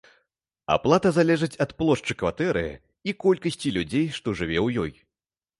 Аплата залежыць ад плошчы кватэры і колькасці людзей, што жыве ў ёй.